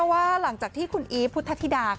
ว่าหลังจากที่คุณอีฟพุทธธิดา